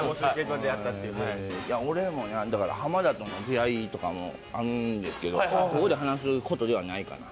俺も浜田との出会いとかもあるんですけど、ここで話すことではないかな。